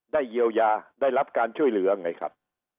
เยียวยาได้รับการช่วยเหลือไงครับ